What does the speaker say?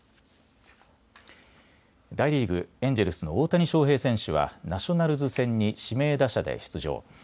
大リーグ、エンジェルスの大谷翔平選手はナショナルズ戦に指名打者で出場。